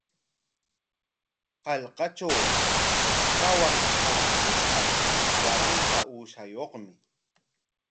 Hallqatraw kawaq awkishqa waranqa uushayuqmi.